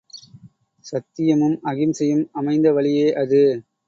சத்தியமும் அகிம்சையும் அமைந்த வழியே அது.